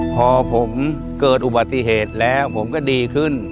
พอผมเกิดอุบัติเหตุแล้วผมก็ดีขึ้น